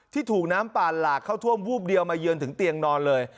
ถูกน้ำป่าหลากเข้าท่วมวูบเดียวมาเยือนถึงเตียงนอนเลย